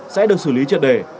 sẽ được xử lý triệt đề